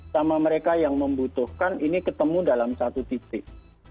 sama mereka yang membutuhkan ini ketemu dalam satu titik